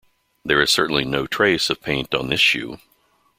There is certainly no trace of paint on this shoe.